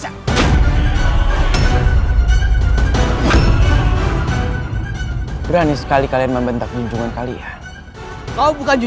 apakah kau prabu sulawesi